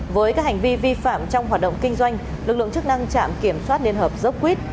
với các hành vi vi phạm trong hoạt động kinh doanh lực lượng chức năng trạm kiểm soát liên hợp dốc quýt